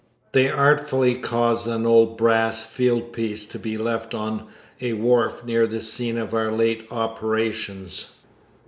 They artfully caused an old brass fieldpiece to be left on a wharf near the scene of our late operations.